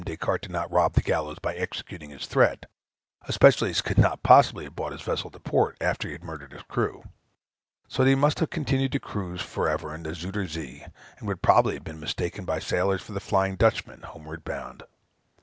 Des Cartes did not rob the gallows by executing his threat, especially as he could not possibly have brought his vessel to port, after he had murdered his crew; so that he must have continued to cruise for ever in the Zuyder Zee, and would probably have been mistaken by sailors for the Flying Dutchman, homeward bound.